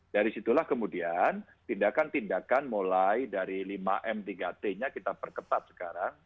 dari situlah kemudian tindakan tindakan mulai dari lima m tiga t nya kita perketat sekarang